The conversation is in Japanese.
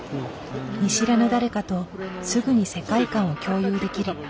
見知らぬ誰かとすぐに世界観を共有できる。